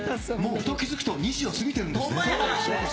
ふと気付くと２時を過ぎてるほんまや。